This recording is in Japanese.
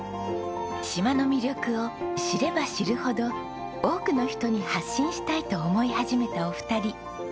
島の魅力を知れば知るほど多くの人に発信したいと思い始めたお二人。